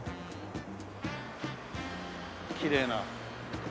きれいな。